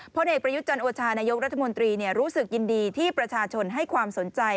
เอกประยุทธ์จันโอชานายกรัฐมนตรีรู้สึกยินดีที่ประชาชนให้ความสนใจ